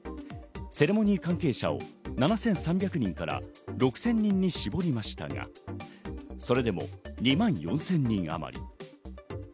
セレモニー関係者も７３００人から６０００人に絞りましたが、それでも２万４０００人あまり。